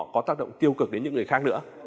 có tác động tiêu cực đến những người khác nữa